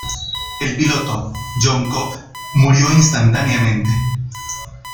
El piloto, John Cobb, murió instantáneamente.